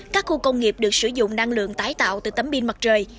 các khu công nghiệp được sử dụng năng lượng tái tạo từ tấm pin mặt trời